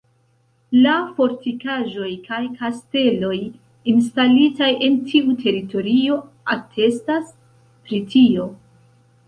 La fortikaĵoj kaj kasteloj instalitaj en tiu teritorio atestas pri tio.